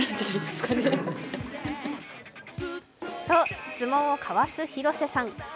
と質問をかわす広瀬さん。